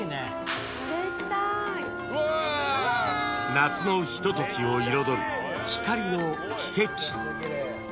［夏のひとときを彩る光の奇跡］